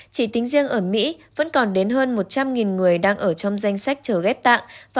chỉ tính riêng ở mỹ vẫn còn đến hơn một trăm linh người đang ở trong danh sách chờ ghép tạng